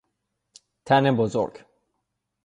تن بزرگ